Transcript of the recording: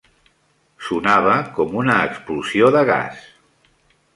Sonava com una explosió de gas.